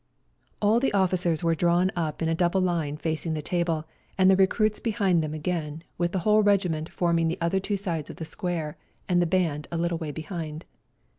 All the officers were drawn up in a double line facing the table, and the recruits behind them again, with the whole regiment forming the other two sides of the square and the band a little way behind.